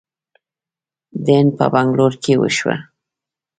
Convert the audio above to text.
د هند په بنګلور کې وشوه